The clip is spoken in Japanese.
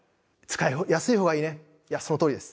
いやそのとおりです。